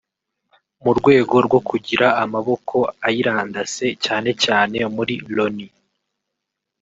mu rwego rwo kugira amaboko ayirandase cyane cyane muri Loni